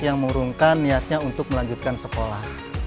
yang mengurungkan niatnya untuk melanjutkan sekolah